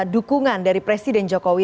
dukungan dari presiden jokowi